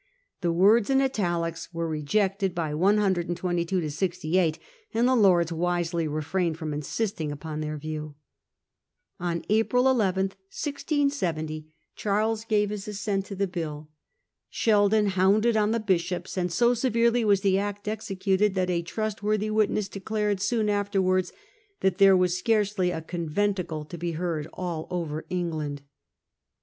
The words in italics were rejected by 122 to 68 ] and the Lords wisely 176 Contest regarding Toleration . 167a refrained from insisting upon their view. On April 11, 1670, Charles gave his assent to the bill. Sheldon hounded on the Bishops, and so severely was the Act executed that a trustworthy witness declared soon after wards that there was scarcely a conventicle to be heard of all over England.